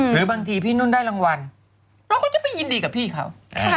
หรือบางทีพี่นุ่นได้รางวัลเราก็จะไปยินดีกับพี่เขา